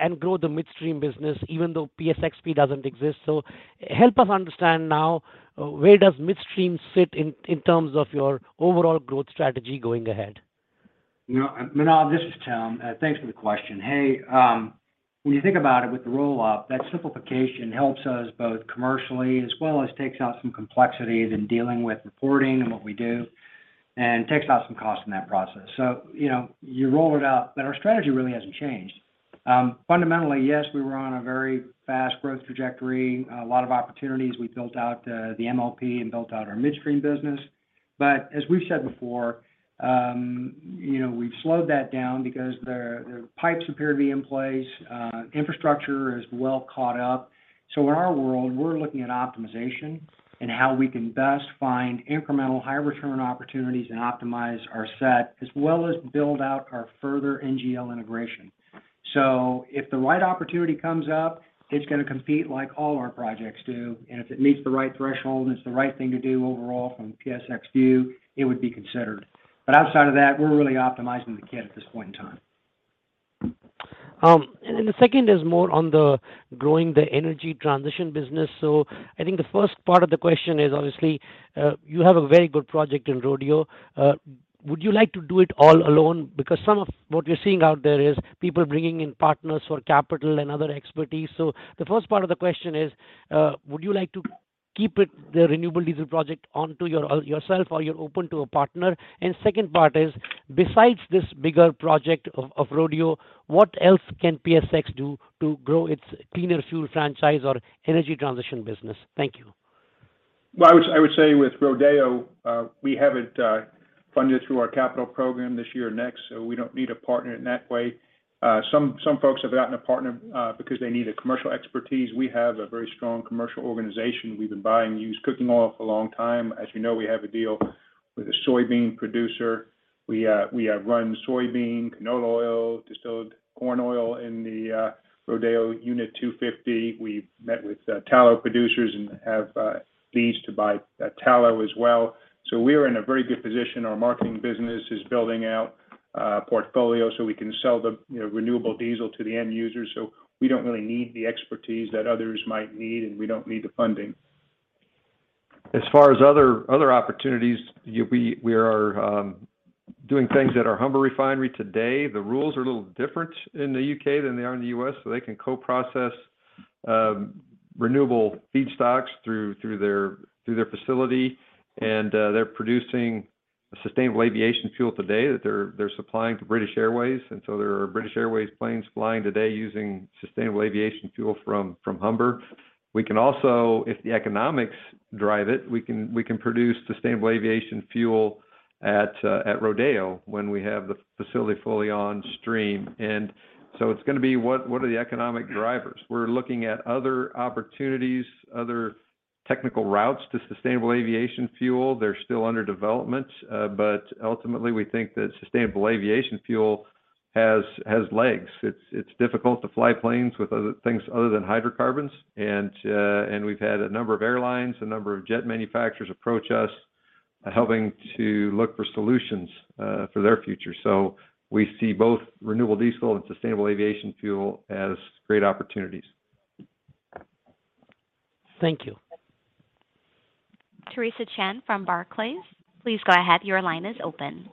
and grow the midstream business even though PSXP doesn't exist? Help us understand now where does midstream fit in terms of your overall growth strategy going ahead? You know, Manav, this is Tom. Thanks for the question. Hey, when you think about it with the roll-up, that simplification helps us both commercially as well as takes out some complexities in dealing with reporting and what we do, and takes out some costs in that process. You know, you roll it out, but our strategy really hasn't changed. Fundamentally, yes, we were on a very fast growth trajectory, a lot of opportunities. We built out the MLP and built out our midstream business. As we've said before, you know, we've slowed that down because the pipes appear to be in place, infrastructure is well caught up. In our world, we're looking at optimization and how we can best find incremental high-return opportunities and optimize our assets, as well as build out our further NGL integration. If the right opportunity comes up, it's gonna compete like all our projects do. If it meets the right threshold and it's the right thing to do overall from PSX view, it would be considered. Outside of that, we're really optimizing the kit at this point in time. The second is more on the growing the energy transition business. I think the first part of the question is, obviously, you have a very good project in Rodeo. Would you like to do it all alone? Because some of what we're seeing out there is people bringing in partners for capital and other expertise. The first part of the question is, would you like to keep the renewable diesel project to yourself or you're open to a partner. Second part is, besides this bigger project of Rodeo, what else can PSX do to grow its cleaner fuel franchise or energy transition business? Thank you. Well, I would say with Rodeo, we have it funded through our capital program this year next, so we don't need a partner in that way. Some folks have gotten a partner because they need a commercial expertise. We have a very strong commercial organization. We've been buying used cooking oil for a long time. As you know, we have a deal with a soybean producer. We run soybean, canola oil, distilled corn oil in the Rodeo Unit 250. We met with tallow producers and have leads to buy tallow as well. We are in a very good position. Our marketing business is building out a portfolio so we can sell the, you know, renewable diesel to the end user. We don't really need the expertise that others might need, and we don't need the funding. As far as other opportunities, we are doing things at our Humber Refinery today. The rules are a little different in the U.K. than they are in the U.S., so they can co-process renewable feedstocks through their facility. They're producing sustainable aviation fuel today that they're supplying to British Airways. There are British Airways planes flying today using sustainable aviation fuel from Humber. We can also, if the economics drive it, we can produce sustainable aviation fuel at Rodeo when we have the facility fully on stream. It's gonna be what are the economic drivers? We're looking at other opportunities, other technical routes to sustainable aviation fuel. They're still under development, but ultimately, we think that sustainable aviation fuel has legs. It's difficult to fly planes with other things other than hydrocarbons. We've had a number of airlines, a number of jet manufacturers approach us, helping to look for solutions for their future. We see both renewable diesel and sustainable aviation fuel as great opportunities. Thank you. Theresa Chen from Barclays, please go ahead. Your line is open.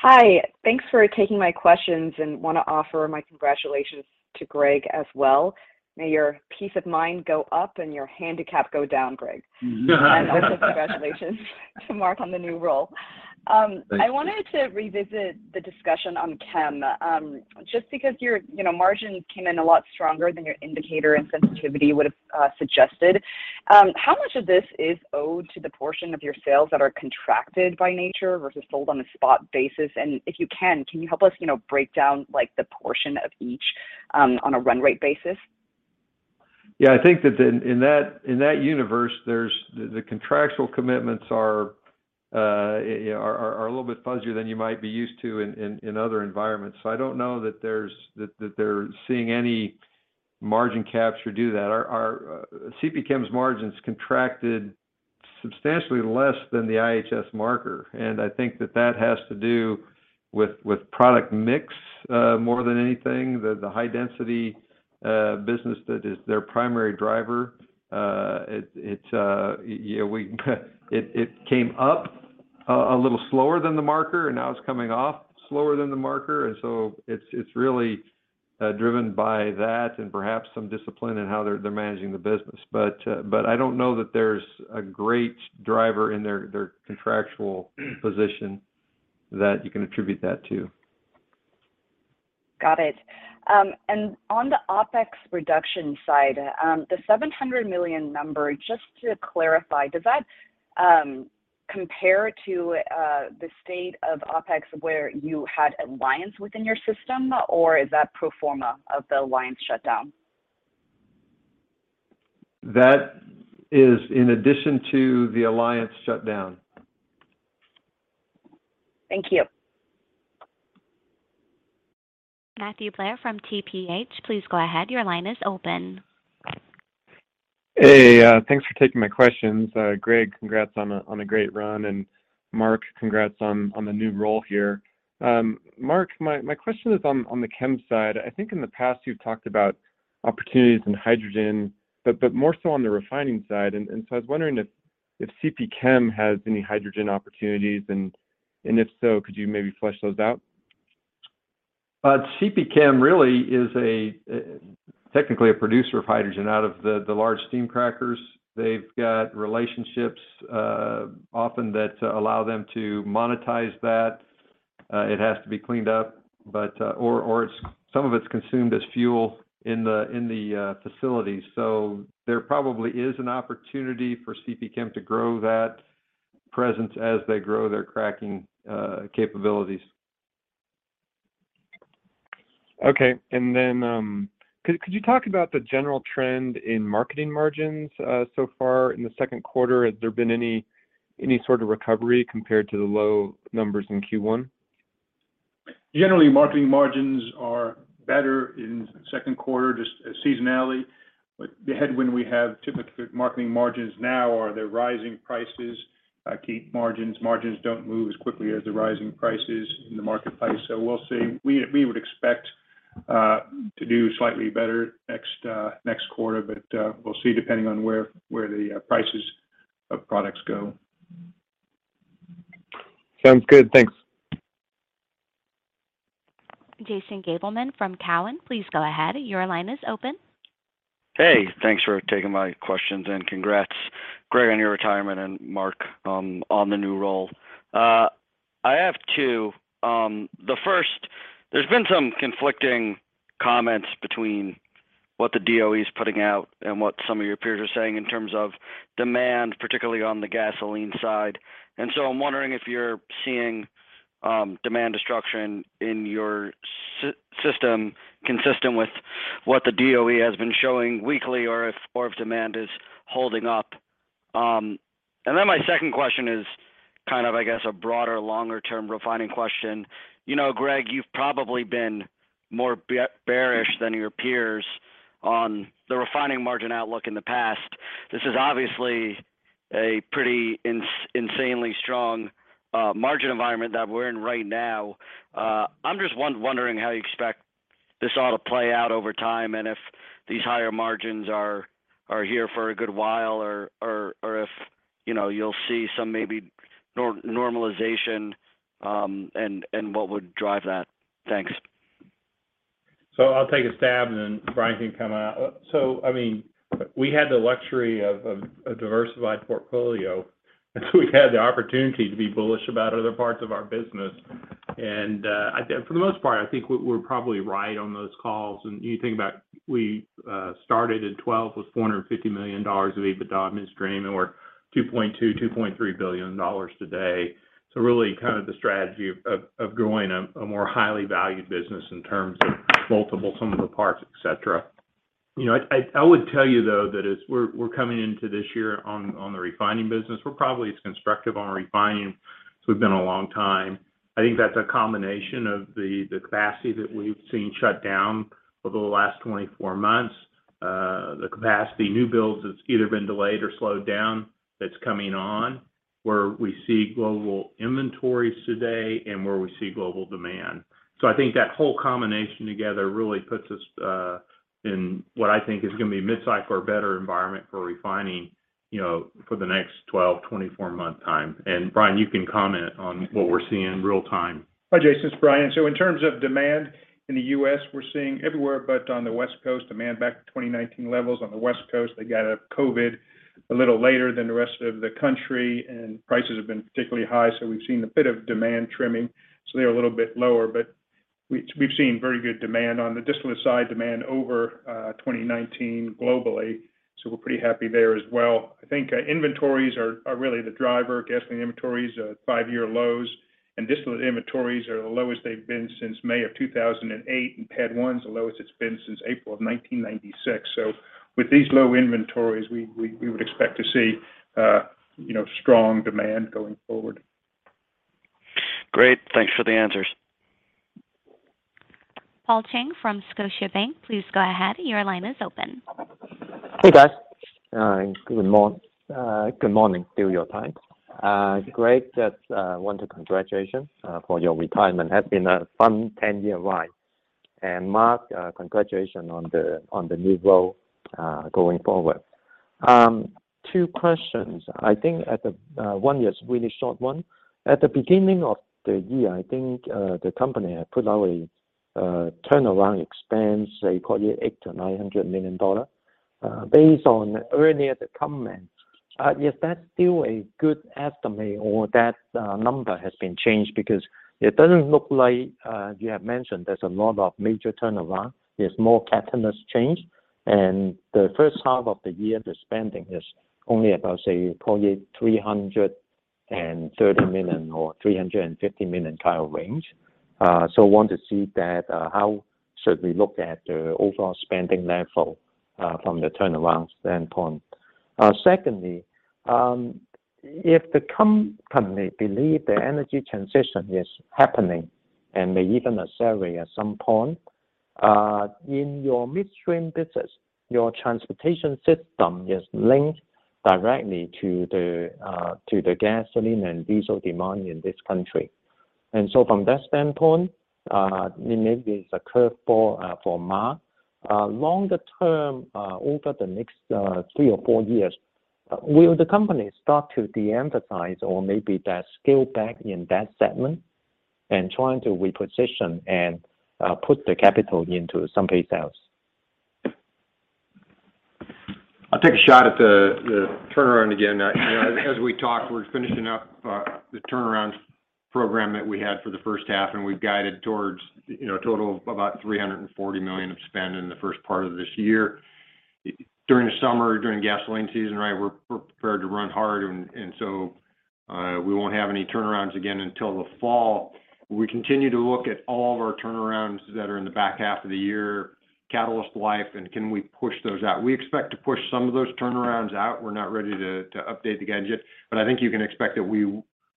Hi. Thanks for taking my questions, and wanna offer my congratulations to Greg as well. May your peace of mind go up and your handicap go down, Greg. Also congratulations to Mark on the new role. Thank you. I wanted to revisit the discussion on chem, just because your, you know, margins came in a lot stronger than your indicator and sensitivity would've suggested. How much of this is owed to the portion of your sales that are contracted by nature versus sold on a spot basis? And if you can you help us, you know, break down like the portion of each, on a run rate basis? Yeah. I think that in that universe, there are contractual commitments you know are a little bit fuzzier than you might be used to in other environments. I don't know that they're seeing any margin capture due to that. Our CPChem's margins contracted substantially less than the IHS Markit marker, and I think that has to do with product mix more than anything. The high density business that is their primary driver, it came up a little slower than the marker, and now it's coming off slower than the marker. It's really driven by that and perhaps some discipline in how they're managing the business. I don't know that there's a great driver in their contractual position that you can attribute that to. Got it. On the OpEx reduction side, the $700 million number, just to clarify, does that compare to the state of OpEx where you had Alliance within your system, or is that pro forma of the Alliance shutdown? That is in addition to the Alliance shutdown. Thank you. Matthew Blair from TPH, please go ahead. Your line is open. Hey. Thanks for taking my questions. Greg, congrats on a great run, and Mark, congrats on the new role here. Mark, my question is on the chem side. I think in the past you've talked about opportunities in hydrogen but more so on the refining side. So I was wondering if CPChem has any hydrogen opportunities, and if so, could you maybe flesh those out? CPChem really is technically a producer of hydrogen out of the large steam crackers. They've got relationships often that allow them to monetize that. It has to be cleaned up, but or some of it's consumed as fuel in the facilities. There probably is an opportunity for CPChem to grow that presence as they grow their cracking capabilities. Okay. Could you talk about the general trend in marketing margins so far in the second quarter? Has there been any sort of recovery compared to the low numbers in Q1? Generally, marketing margins are better in second quarter, just as seasonality. The headwind we have to the marketing margins now are the rising prices. Margins don't move as quickly as the rising prices in the marketplace, so we'll see. We would expect to do slightly better next quarter, but we'll see depending on where the prices of products go. Sounds good. Thanks. Jason Gabelman from Cowen, please go ahead. Your line is open. Hey, thanks for taking my questions, and congrats, Greg, on your retirement, and Mark, on the new role. I have two. The first, there's been some conflicting comments between what the DOE is putting out and what some of your peers are saying in terms of demand, particularly on the gasoline side. I'm wondering if you're seeing demand destruction in your system consistent with what the DOE has been showing weekly or if demand is holding up. My second question is kind of, I guess, a broader, longer-term refining question. You know, Greg, you've probably been more bearish than your peers on the refining margin outlook in the past. This is obviously a pretty insanely strong margin environment that we're in right now. I'm just wondering how you expect this all to play out over time, and if these higher margins are here for a good while or if, you know, you'll see some maybe normalization, and what would drive that. Thanks. I'll take a stab, and then Brian can come out. I mean, we had the luxury of a diversified portfolio, and so we had the opportunity to be bullish about other parts of our business. I think for the most part, I think we're probably right on those calls. You think about we started in 2012 with $450 million of EBITDA in midstream, and we're $2.2-2.3 billion today. Really kind of the strategy of growing a more highly valued business in terms of multiples on some of the parts, et cetera. You know, I would tell you, though, that as we're coming into this year on the refining business, we're probably as constructive on refining as we've been a long time. I think that's a combination of the capacity that we've seen shut down over the last 24 months, the capacity new builds that's either been delayed or slowed down that's coming on, where we see global inventories today and where we see global demand. I think that whole combination together really puts us in what I think is gonna be mid-cycle or better environment for refining, you know, for the next 12-24 month time. Brian, you can comment on what we're seeing real-time. Hi, Jason, it's Brian. In terms of demand in the U.S., we're seeing everywhere, but on the West Coast, demand back to 2019 levels. On the West Coast, they got COVID a little later than the rest of the country, and prices have been particularly high, so we've seen a bit of demand trimming. They're a little bit lower, but we've seen very good demand. On the distillate side, demand over 2019 globally. We're pretty happy there as well. I think inventories are really the driver. Gasoline inventories are at five-year lows, and distillate inventories are the lowest they've been since May of 2008, and PADD 1's the lowest it's been since April of 1996. With these low inventories, we would expect to see, you know, strong demand going forward. Great. Thanks for the answers. Paul Cheng from Scotiabank, please go ahead. Your line is open. Hey, guys. Good morning your time. Greg, just want to congratulate for your retirement. It has been a fun 10-year ride. Mark, congratulations on the new role going forward. Two questions. I think one is really short one. At the beginning of the year, I think the company had put out a turnaround expense, say, call it $800-900 million. Based on the earlier comments, is that still a good estimate or that number has been changed? Because it doesn't look like you have mentioned there's a lot of major turnaround. There's more catalyst change. The first half of the year, the spending is only about, say, call it $330 million or $350 million kind of range. I want to see that, how should we look at the overall spending level from the turnaround standpoint. Secondly, if the company believe the energy transition is happening and may even necessarily at some point in your midstream business, your transportation system is linked directly to the gasoline and diesel demand in this country. From that standpoint, maybe it's a curveball for Mark. Longer term, over the next three or four years, will the company start to de-emphasize or maybe scale back in that segment and trying to reposition and put the capital into someplace else? I'll take a shot at the turnaround again. You know, as we talk, we're finishing up the turnaround program that we had for the first half, and we've guided towards, you know, a total of about $340 million of spend in the first part of this year. During the summer, during gasoline season, right, we're prepared to run hard, and so we won't have any turnarounds again until the fall. We continue to look at all of our turnarounds that are in the back half of the year, catalyst life, and can we push those out. We expect to push some of those turnarounds out. We're not ready to update the guide yet. I think you can expect that we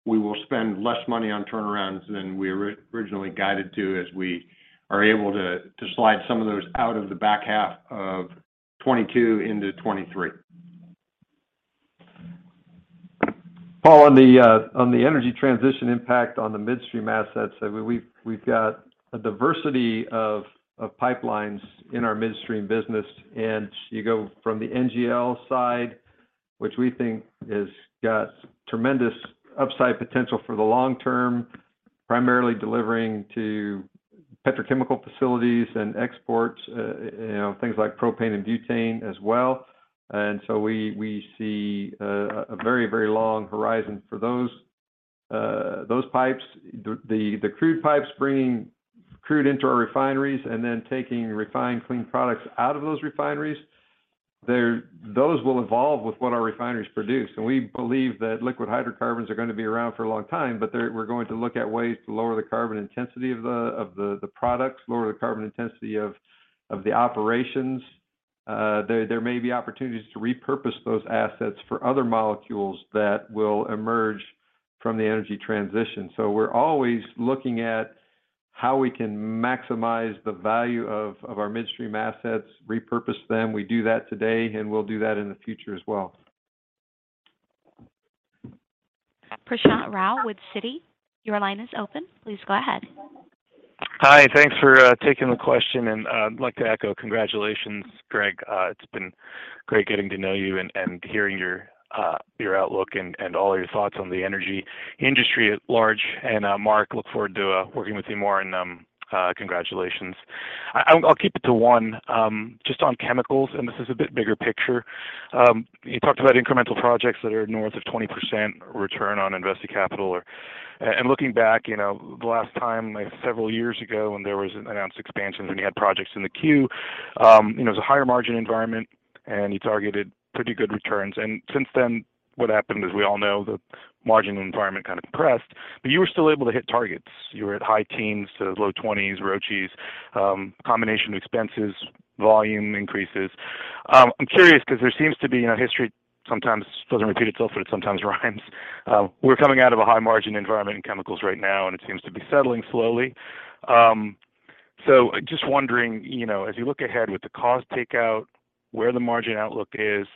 will spend less money on turnarounds than we originally guided to as we are able to slide some of those out of the back half of 2022 into 2023. Paul, on the energy transition impact on the midstream assets, I mean, we've got a diversity of pipelines in our midstream business. You go from the NGL side Which we think has got tremendous upside potential for the long term, primarily delivering to petrochemical facilities and exports, things like propane and butane as well. We see a very long horizon for those pipes. The crude pipes bringing crude into our refineries and then taking refined clean products out of those refineries, those will evolve with what our refineries produce. We believe that liquid hydrocarbons are gonna be around for a long time, but we're going to look at ways to lower the carbon intensity of the products, lower the carbon intensity of the operations. There may be opportunities to repurpose those assets for other molecules that will emerge from the energy transition. We're always looking at how we can maximize the value of our midstream assets, repurpose them. We do that today, and we'll do that in the future as well. Prashant Rao with Citi, your line is open. Please go ahead. Hi. Thanks for taking the question. I'd like to echo congratulations, Greg. It's been great getting to know you and hearing your outlook and all your thoughts on the energy industry at large. Mark, look forward to working with you more, and congratulations. I'll keep it to one just on chemicals, and this is a bit bigger picture. You talked about incremental projects that are north of 20% return on invested capital or. Looking back, you know, the last time, like several years ago when there was an announced expansion when you had projects in the queue, you know, it was a higher margin environment, and you targeted pretty good returns. Since then, what happened, as we all know, the margin environment kind of depressed, but you were still able to hit targets. You were at high teens to low twenties ROIC, combination expenses, volume increases. I'm curious because there seems to be, you know, history sometimes doesn't repeat itself, but it sometimes rhymes. We're coming out of a high margin environment in chemicals right now, and it seems to be settling slowly. Just wondering, you know, as you look ahead with the cost takeout, where the margin outlook is,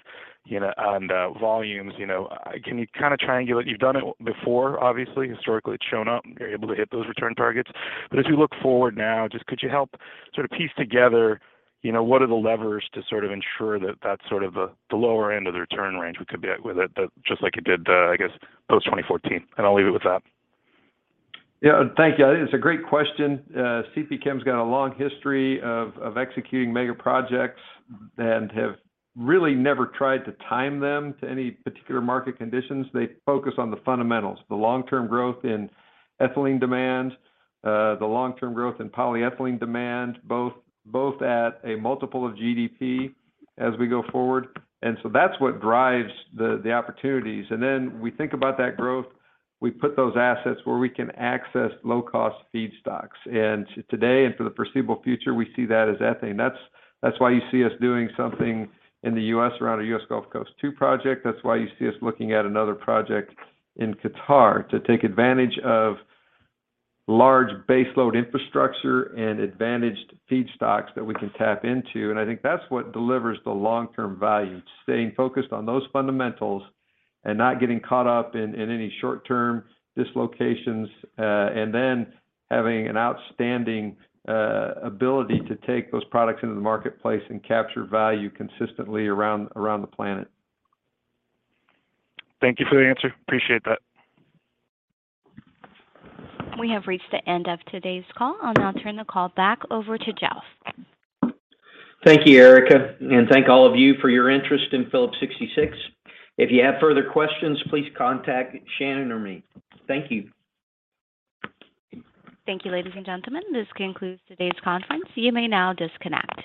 you know, on the volumes, you know, can you kinda triangulate? You've done it before, obviously. Historically, it's shown up, and you're able to hit those return targets. As you look forward now, just could you help sort of piece together, you know, what are the levers to sort of ensure that that's sort of the lower end of the return range we could be at with it, just like you did, I guess post-2014. I'll leave it with that. Yeah. Thank you. It's a great question. CPChem's got a long history of executing mega projects and have really never tried to time them to any particular market conditions. They focus on the fundamentals, the long-term growth in ethylene demand, the long-term growth in polyethylene demand, both at a multiple of GDP as we go forward. That's what drives the opportunities. We think about that growth. We put those assets where we can access low-cost feedstocks. Today and for the foreseeable future, we see that as ethane. That's why you see us doing something in the US around our US Gulf Coast 2 project. That's why you see us looking at another project in Qatar to take advantage of large baseload infrastructure and advantaged feedstocks that we can tap into. I think that's what delivers the long-term value, staying focused on those fundamentals and not getting caught up in any short-term dislocations, and then having an outstanding ability to take those products into the marketplace and capture value consistently around the planet. Thank you for the answer. Appreciate that. We have reached the end of today's call. I'll now turn the call back over to Jeff. Thank you, Erica, and thank all of you for your interest in Phillips 66. If you have further questions, please contact Shannon or me. Thank you. Thank you, ladies and gentlemen. This concludes today's conference. You may now disconnect.